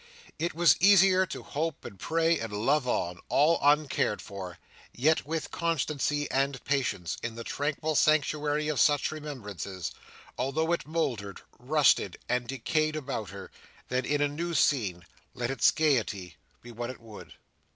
It was easier to hope, and pray, and love on, all uncared for, yet with constancy and patience, in the tranquil sanctuary of such remembrances: although it mouldered, rusted, and decayed about her: than in a new scene, let its gaiety be what it would.